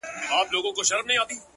چي بیا يې ونه وینم ومي نه ويني،